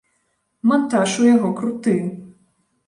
Мантаж у яго круты!